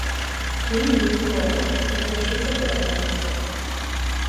Kim Duk Koo è cresciuto povero.